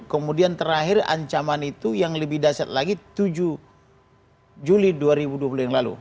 kemudian terakhir ancaman itu yang lebih dasar lagi tujuh juli dua ribu dua puluh yang lalu